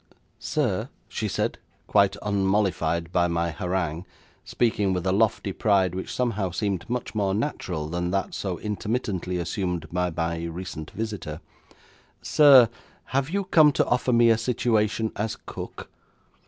'Sir,' she said, quite unmollified by my harangue, speaking with a lofty pride which somehow seemed much more natural than that so intermittently assumed by my recent visitor, 'Sir, have you come to offer me a situation as cook?'